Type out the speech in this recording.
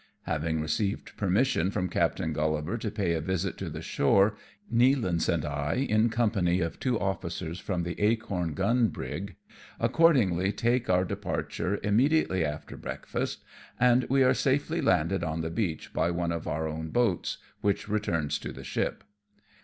Having received permission from Captain Gullivar to pay a visit to the shore, Nealance and I, in company of two officers from the Acorn gun brig, accordingly take our departure immediately after breakfast, and we are safely landed on the beach by one of our own boats, which returns to the ship.